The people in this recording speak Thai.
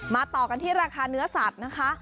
ต่อกันที่ราคาเนื้อสัตว์นะคะ